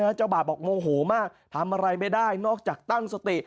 เจ้าบาปบอกโมโหมากทำอะไรไม่ได้นอกจากตั้งสติ